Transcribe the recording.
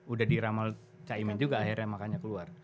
udah diramal caimin juga akhirnya makanya keluar